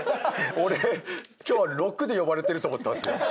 俺今日は『６』で呼ばれてると思ったんですよ。